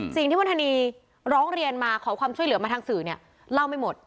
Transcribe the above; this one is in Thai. สิ่งที่วัฒนีร้องเรียนมาขอความช่วยเหลือมาทางสื่อเนี่ยเล่าไม่หมด